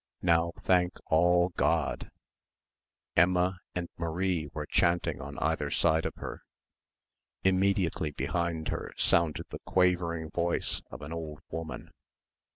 "Now thank, all, God!" ... Emma and Marie were chanting on either side of her. Immediately behind her sounded the quavering voice of an old woman.